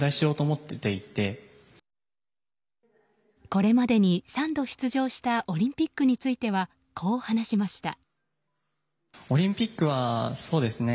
これまでに３度出場したオリンピックについてはこう話しました。